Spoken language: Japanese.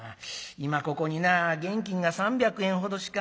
今ここにな現金が３００円ほどしかない。